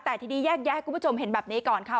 แต่ทีนี้แยกแยะให้คุณผู้ชมเห็นแบบนี้ก่อนค่ะ